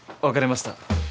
分かりました。